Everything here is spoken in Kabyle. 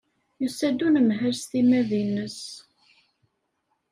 Yusa-d unemhal s timmad-nnes.